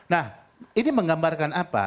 nah ini menggambarkan apa